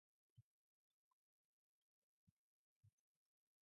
East Baton Rouge Parish Public Schools serves Westminster.